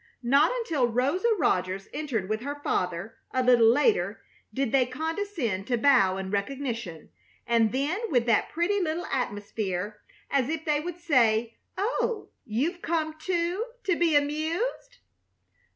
Not until Rosa Rogers entered with her father, a little later, did they condescend to bow in recognition, and then with that pretty little atmosphere as if they would say, "Oh, you've come, too, to be amused."